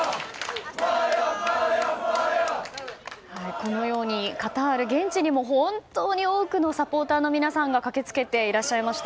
このようにカタール、現地にも多くのサポーターの皆さんが駆けつけていらっしゃいました。